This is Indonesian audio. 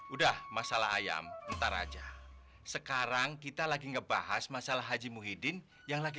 udah masalah ayam pintar aja sekarang kita lagi ngebahas masalah haji muhyiddin yang lagi